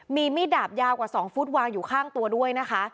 มีมีดดาบยาวกว่า๒ฟุตวางอยู่ข้างตัวด้วยนะคะ